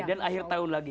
dan akhir tahun lagi